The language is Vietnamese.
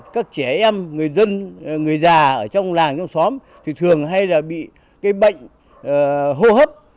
các trẻ em người dân người già ở trong làng trong xóm thường bị bệnh hô hấp